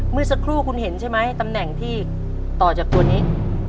เมื่อสักครู่คุณเห็นใช่ไหมตำแหน่งที่ต่อจากตัวนี้